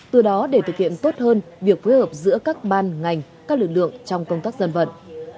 từ đó để thực hiện tốt hơn việc phối hợp giữa các ban ngành các lực lượng trong công tác dân vận